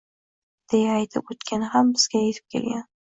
deya aytib o‘tgani ham bizga yetib kelgan.